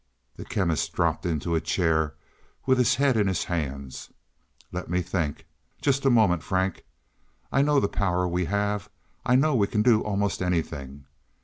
The Chemist dropped into a chair with his head in his hands. "Let me think just a moment, Frank. I know the power we have; I know we can do almost anything.